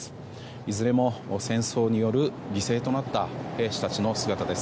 いずれも戦争により犠牲となった兵士たちの姿です。